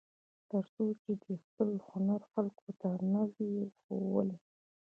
تر څو چې دې خپل هنر خلکو ته نه وي ښوولی.